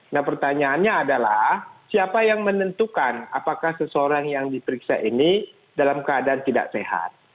nah pertanyaannya adalah siapa yang menentukan apakah seseorang yang diperiksa ini dalam keadaan tidak sehat